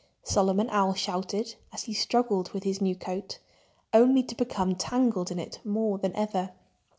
Solomon Owl shouted, as he struggled with his new coat, only to become tangled in it more than ever.